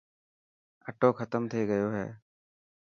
اثو ختم ٿي گيو.